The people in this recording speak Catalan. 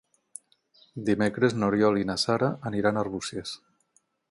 Dimecres n'Oriol i na Sara aniran a Arbúcies.